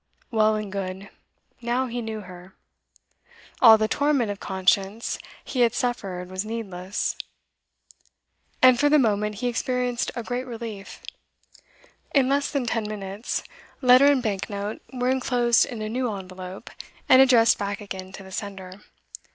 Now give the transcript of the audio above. Well and good; now he knew her; all the torment of conscience he had suffered was needless. And for the moment he experienced a great relief. In less than ten minutes letter and bank note were enclosed in a new envelope, and addressed back again to the sender.